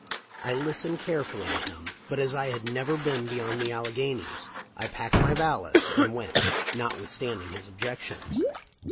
I listened carefully to him, but as I had never been beyond the Alleghanies I packed my valise and •went, notwithstanding his objections.